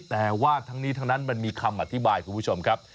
แต่ว่าทั้งนี้ทั้งนั้นมันมีคำอธิบายคุณผู้ชมครับ